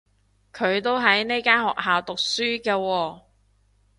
佢都喺呢間學校讀書㗎喎